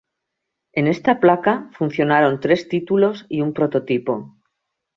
En esta placa funcionaron tres títulos y un prototipo.